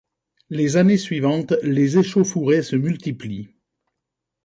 Les années suivantes les échauffourées se multiplient.